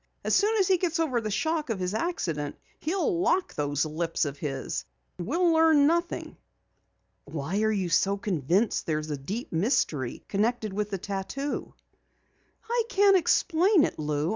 As soon as he gets over the shock of this accident, he'll lock those lips of his. We'll learn nothing." "Why are you so convinced there's a deep mystery connected with the tattoo?" "I can't explain it, Lou.